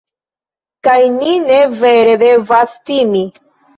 kaj ni ne vere devas timi